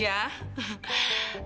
aduh you tau aja